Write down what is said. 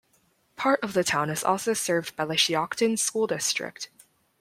Part of the town is also served by the Shiocton School District.